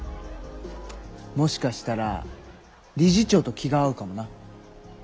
もしかしたら理事長と気が合うかもな。